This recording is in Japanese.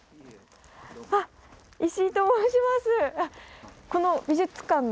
あっ石井と申します。